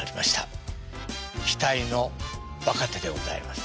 期待の若手でございます。